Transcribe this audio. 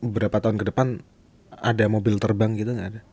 beberapa tahun ke depan ada mobil terbang gitu nggak ada